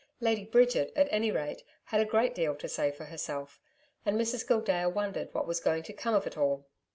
Lady Bridget, at any rate, had a great deal to say for herself, and Mrs Gildea wondered what was going to come of it all.